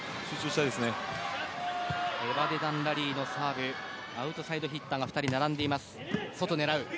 エバデダン・ラリーのサーブアウトサイドヒッターが２人並んでいます。